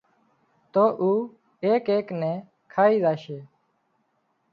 تو اُو ايڪ ايڪ نين کائي زاشي